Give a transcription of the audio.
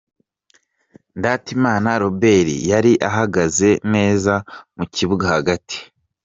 Ndatimana Robert yari ahagaze neza mu kibuga hagati.